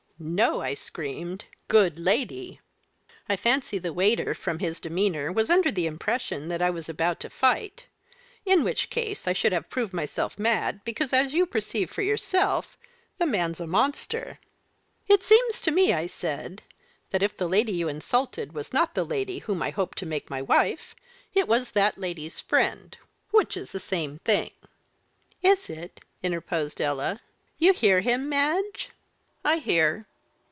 'No,' I screamed, 'good lady!' I fancy the waiter, from his demeanour, was under the impression that I was about to fight; in which case I should have proved myself mad, because, as you perceive for yourselves, the man's a monster. 'It seems to me,' I said, 'that if the lady you insulted was not the lady whom I hope to make my wife, it was that lady's friend, which is the same thing '" "Is it?" interposed Ella. "You hear him, Madge?" "I hear."